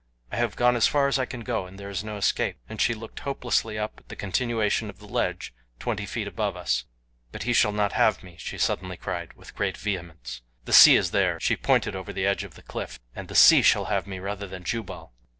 I have gone as far as I can go, and there is no escape," and she looked hopelessly up at the continuation of the ledge twenty feet above us. "But he shall not have me," she suddenly cried, with great vehemence. "The sea is there" she pointed over the edge of the cliff "and the sea shall have me rather than Jubal."